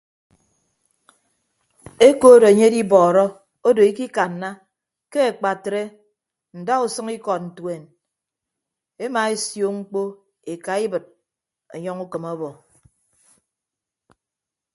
Ekod enye edibọọrọ odo ikikanna ke akpatre ndausʌñ ikọd ntuen emaesio mkpọ ekaibịd ọnyọñ ukịm ọbọ.